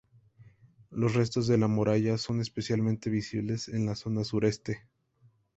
Los restos de muralla son especialmente visibles en la zona sureste.